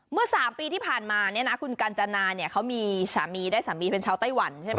เมื่อ๓ปีที่ผ่านมาเนี่ยนะคุณกัญจนาเนี่ยเขามีสามีได้สามีเป็นชาวไต้หวันใช่ไหม